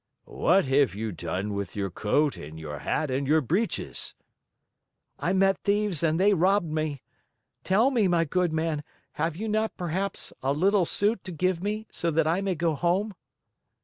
"What have you done with your coat and your hat and your breeches?" "I met thieves and they robbed me. Tell me, my good man, have you not, perhaps, a little suit to give me, so that I may go home?"